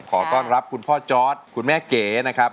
ขอต้อนรับคุณพ่อจอร์ดคุณแม่เก๋นะครับ